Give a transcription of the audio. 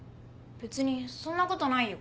別にそんなことないよ。